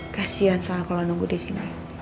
kasian soal kalau nunggu di sini